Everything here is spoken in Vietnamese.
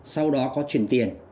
sau đó có chuyển tiền